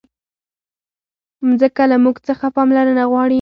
مځکه له موږ څخه پاملرنه غواړي.